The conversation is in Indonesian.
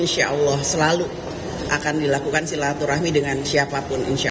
puan akan dilakukan selama ramadhan